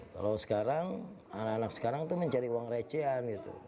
kalau sekarang anak anak sekarang itu mencari uang recehan gitu